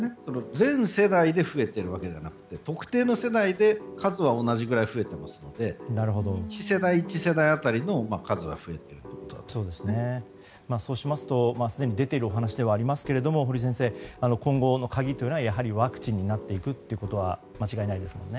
全世代で増えているわけじゃなくて特定の世代で数は同じくらい増えていますので１世代１世代当たりの数はそうしますとすでに出ているお話ではありますが、今後の鍵はワクチンになっていくことは間違いないですよね。